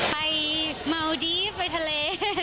ไปเมาดีฟไปทะเล